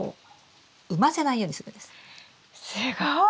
すごい。